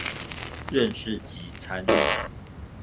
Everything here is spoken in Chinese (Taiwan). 認識及參與